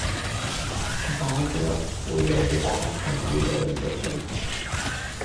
Бадраҟ уи ауха агәылара дыҟан.